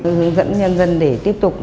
hướng dẫn nhân dân để tiếp tục